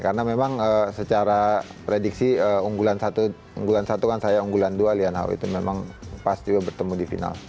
karena memang secara prediksi unggulan satu kan saya unggulan dua lian hao itu memang pas juga bertemu di final